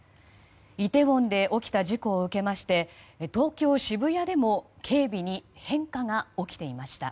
イテウォンで起きた事故を受けまして東京・渋谷でも警備に変化が起きていました。